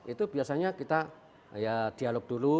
itu biasanya kita ya dialog dulu